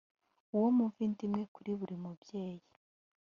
uwo muva inda imwe kuri buri mubyeyi